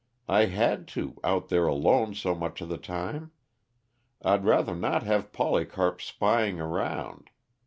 I had to, out there alone so much of the time. I'd rather not have Polycarp spying around.